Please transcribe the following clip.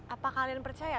apa kalian percaya